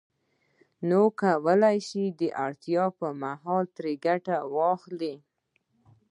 نو وکولای شي د اړتیا پر مهال ترې ګټه واخلي